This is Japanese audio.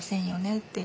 って。